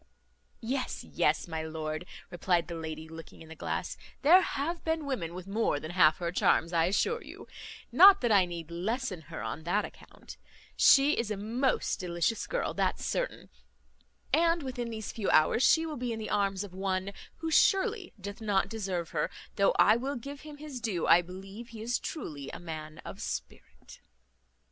"Yes, yes, my lord," replied the lady, looking in the glass, "there have been women with more than half her charms, I assure you; not that I need lessen her on that account: she is a most delicious girl, that's certain; and within these few hours she will be in the arms of one, who surely doth not deserve her, though I will give him his due, I believe he is truly a man of spirit."